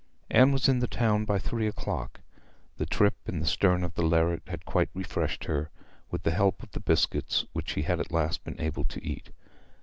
Anne was in the town by three o'clock. The trip in the stern of the lerret had quite refreshed her, with the help of the biscuits, which she had at last been able to eat.